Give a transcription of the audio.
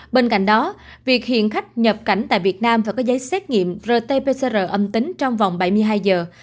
bên cạnh đó việc hiện khách nhập cảnh tại việt nam phải có giấy xét nghiệm rt pcr âm tính trong vòng bảy mươi hai giờ